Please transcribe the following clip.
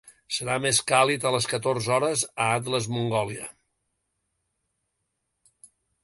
Serà més càlid a les catorze hores a l'Atles Mongolia